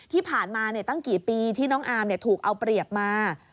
ที่ผ่านมาตั้งกี่ปีที่น้องอาร์มถูกเอาเปรียบมา